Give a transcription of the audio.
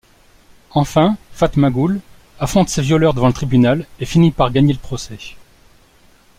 Enfin, Fatmagül affronte ses violeurs devant le tribunal et finit par gagner le procès.